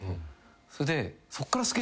それで。